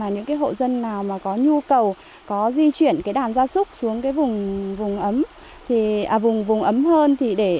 những hộ dân nào có nhu cầu di chuyển đàn gia súc xuống vùng ấm hơn